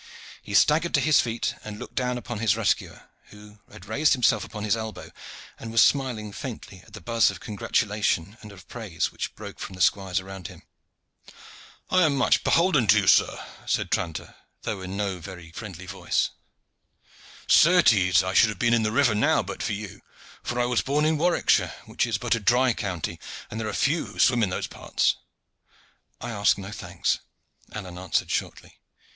He staggered to his feet and looked down upon his rescuer, who had raised himself upon his elbow, and was smiling faintly at the buzz of congratulation and of praise which broke from the squires around him. "I am much beholden to you, sir," said Tranter, though in no very friendly voice. "Certes, I should have been in the river now but for you, for I was born in Warwickshire, which is but a dry county, and there are few who swim in those parts." "I ask no thanks," Alleyne answered shortly.